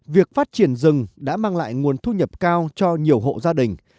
việc phát triển rừng đã mang lại nguồn thu nhập cao cho nhiều hộ gia đình